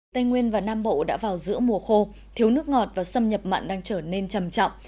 tây nguyên và nam bộ đã vào giữa mùa khô thiếu nước ngọt và xâm nhập mặn đang trở nên trầm trọng